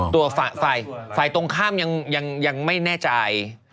ตัวฝ่ายตรงข้ามยังไม่แน่ใจ